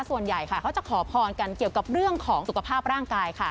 ส่วนใหญ่เขาจะขอพรกันเกี่ยวกับเรื่องของสุขภาพร่างกายค่ะ